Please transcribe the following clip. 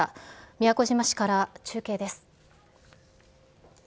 宮古島市から中継です。